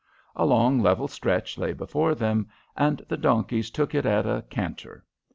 A long, level stretch lay before them, and the donkeys took it at a canter.